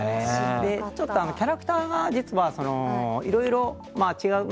ちょっとキャラクターが、実はいろいろ違う。